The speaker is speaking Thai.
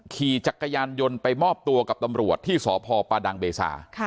ขี่จักรยานยนต์ไปมอบตัวกับตำรวจที่สพประดังเบซา